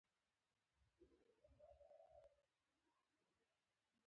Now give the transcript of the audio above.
د امریکا سوېل کې هم بنسټونه تر کورنۍ جګړې پورې زبېښونکي وو.